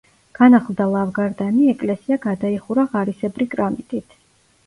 განახლდა ლავგარდანი, ეკლესია გადაიხურა ღარისებრი კრამიტით.